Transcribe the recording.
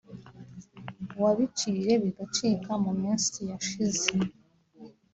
wabiciye bigacika mu minsi yashize